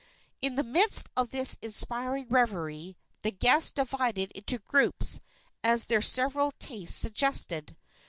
In the midst of this inspiring revelry the guests divided into groups as their several tastes suggested.